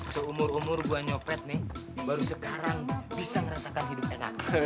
seumur umur gua nyopet nih baru sekarang bisa ngerasakan hidup enak